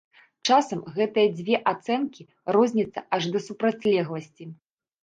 Часам гэтыя дзве ацэнкі розняцца аж да супрацьлегласці.